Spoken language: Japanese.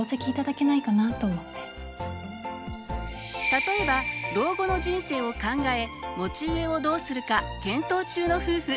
例えば老後の人生を考え持ち家をどうするか検討中の夫婦。